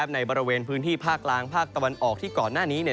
ในบริเวณพื้นที่ภาคกลางภาคตะวันออกที่ก่อนหน้านี้